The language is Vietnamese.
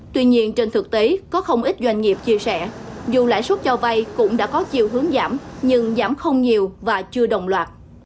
tuy nhiên trên thực tế có không ít doanh nghiệp chia sẻ dù lãi suất cho vay cũng đã có chiều hướng giảm nhưng giảm không nhiều và chưa đồng loạt